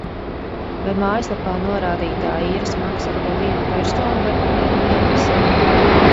Vai mājaslapā norādītā īres maksa ir par vienu personu vai par vienu mēnesi?